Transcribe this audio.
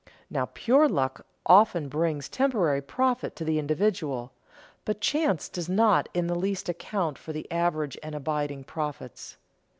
Now pure luck often brings temporary profit to the individual, but chance does not in the least account for the average and abiding profits.